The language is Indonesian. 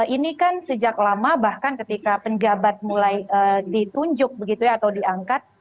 ini kan sejak lama bahkan ketika penjabat mulai ditunjuk begitu ya atau diangkat